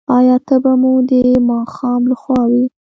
ایا تبه مو د ماښام لخوا وي؟